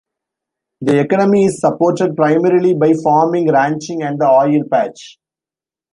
The economy is supported primarily by farming, ranching, and the oil patch.